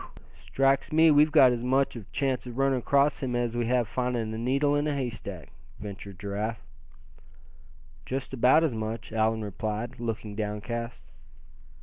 "Whew! strikes me we've got as much chance of running across him as we'd have finding a needle in a haystack," ventured Giraffe. "Just about as much," Allan replied, looking downcast.